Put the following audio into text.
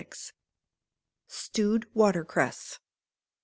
Stewed Water Cress.